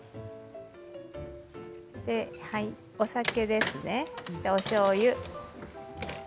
お酒ですね、おしょうゆ。